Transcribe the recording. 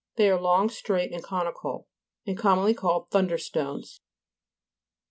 They are long, straight, and conical ; and com monly called " thunder stones" (p.